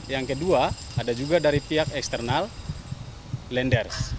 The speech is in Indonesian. yang kedua ada juga dari pihak eksternal lenders